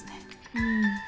うん。